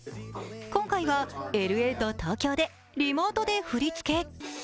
今回はＬＡと東京でリモートで振り付け。